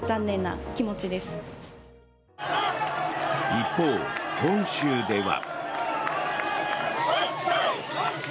一方、本州では。